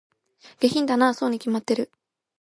下品だなぁ、そうに決まってる